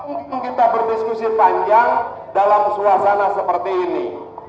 karena tidak mungkin kita berdiskusi panjang dalam suasana seperti ini